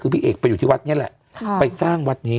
คือพี่เอกไปอยู่ที่วัดนี่แหละไปสร้างวัดนี้